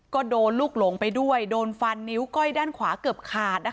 ก็โดนลูกหลงไปด้วยโดนฟันนิ้วก้อยด้านขวาเกือบขาดนะคะ